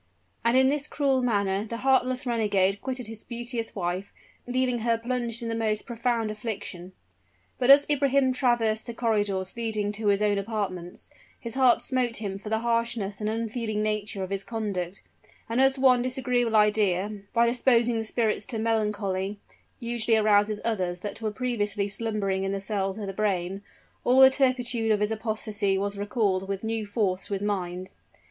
And in this cruel manner the heartless renegade quitted his beauteous wife, leaving her plunged in the most profound affliction. But as Ibrahim traversed the corridors leading to his own apartments, his heart smote him for the harshness and unfeeling nature of his conduct; and as one disagreeable idea, by disposing the spirits to melancholy, usually arouses others that were previously slumbering in the cells of the brain, all the turpitude of his apostasy was recalled with new force to his mind.